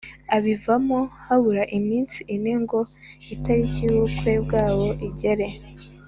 abivamo habura iminsi ine ngo itariki y’ubukwe bwabo igere.